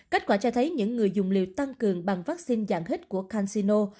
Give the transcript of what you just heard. kết quả cho thấy những người dùng liệu tăng cường bằng vaccine dạng hít của cansino